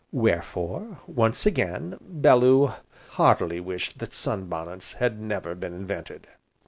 Wherefore, once again, Bellew heartily wished that sunbonnets had never been invented.